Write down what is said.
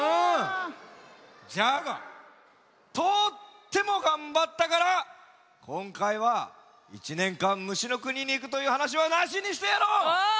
じゃがとってもがんばったからこんかいは１ねんかん虫のくににいくというはなしはなしにしてやろう！